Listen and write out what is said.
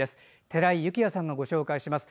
寺井幸也さんがご紹介します。